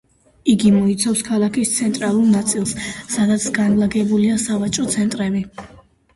იგი მოიცავს ქალაქის ცენტრალურ ნაწილს სადაც განლაგებულია სავაჭრო ცენტრები.